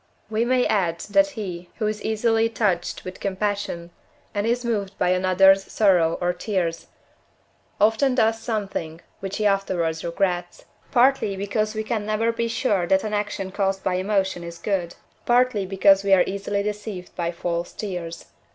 We may add, that he, who is easily touched with compassion, and is moved by another's sorrow or tears, often does something which he afterwards regrets; partly because we can never be sure that an action caused by emotion is good, partly because we are easily deceived by false tears.